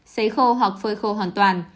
xấy khô hoặc phơi khô hoàn toàn